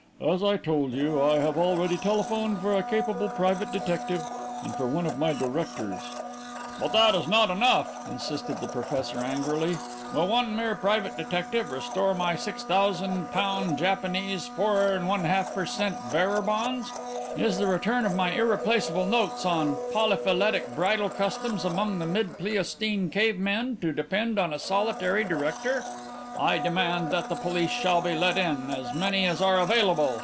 As I told you, I have already telephoned for a capable private detective and for one of my directors." "But that is not enough," insisted the professor angrily. "Will one mere private detective restore my £6000 Japanese 4 1/2 per cent. bearer bonds? Is the return of my irreplaceable notes on 'Polyphyletic Bridal Customs among the mid Pleistocene Cave Men' to depend on a solitary director? I demand that the police shall be called in as many as are available.